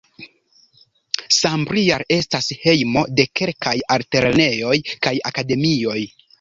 Sambrial estas hejmo de kelkaj altlernejoj kaj akademioj.